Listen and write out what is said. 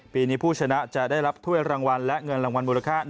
ปีนี้ผู้ชนะจะได้รับถ้วยรางวัลและเงินรางวัลมูลค่า